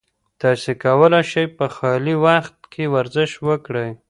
تاسي کولای شئ په خالي وخت کې ورزش وکړئ.